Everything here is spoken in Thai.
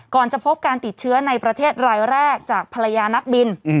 จะพบการติดเชื้อในประเทศรายแรกจากภรรยานักบิน